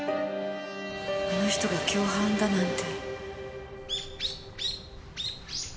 あの人が共犯だなんて。